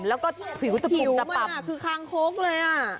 แล้วก็ผิวตะปุ่มตะปับผิวมันคือค้างคกเลย